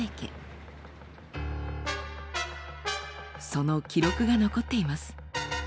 その記録が残っています。